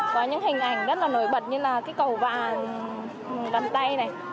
có những hình ảnh rất là nổi bật như là cái cầu vàng tay này